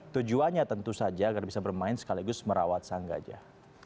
tujuannya tentu saja agar bisa bermain sekaligus merawat sang gajah